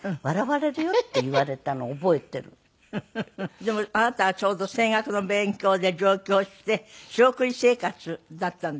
でもあなたがちょうど声楽の勉強で上京して仕送り生活だったんで。